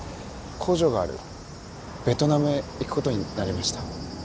工場があるベトナムへ行くことになりました。